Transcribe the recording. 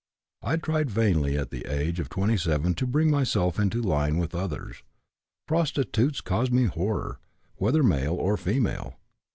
I tried vainly at the age of 27 to bring myself into line with others. Prostitutes caused me horror, whether male or female.